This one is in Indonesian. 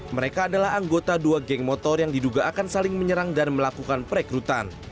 mereka adalah anggota dua geng motor yang diduga akan saling menyerang dan melakukan perekrutan